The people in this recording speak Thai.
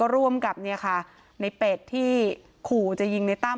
ร่วมกับในเป็ดที่ขู่จะยิงในตั้ม